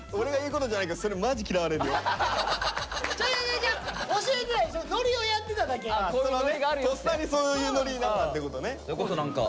とっさにそういうノリになったってことね。